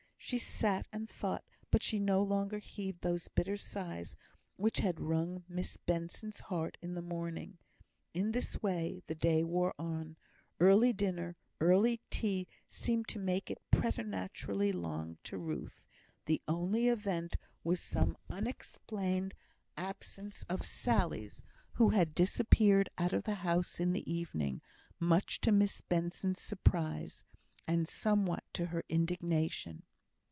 She sat and thought, but she no longer heaved those bitter sighs which had wrung Miss Benson's heart in the morning. In this way the day wore on; early dinner, early tea, seemed to make it preternaturally long to Ruth; the only event was some unexplained absence of Sally's, who had disappeared out of the house in the evening, much to Miss Benson's surprise, and somewhat to her indignation.